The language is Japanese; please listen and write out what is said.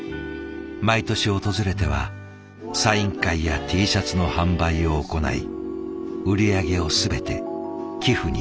毎年訪れてはサイン会やＴシャツの販売を行い売り上げを全て寄付に回した。